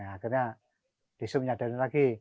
akhirnya di sob menyadari lagi